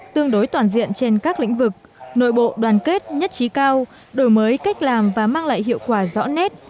tương đối toàn diện trên các lĩnh vực nội bộ đoàn kết nhất trí cao đổi mới cách làm và mang lại hiệu quả rõ nét